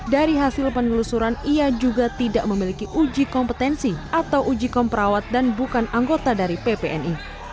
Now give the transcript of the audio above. dari hasil penelusuran ia juga tidak memiliki uji kompetensi atau uji komprawat dan bukan anggota dari ppni